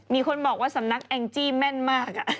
มีคนบอกว่าสำนักแองจี้แม่นมาก